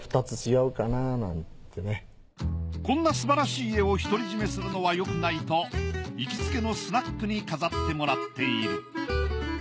こんなすばらしい絵を独り占めするのはよくないと行きつけのスナックに飾ってもらっている。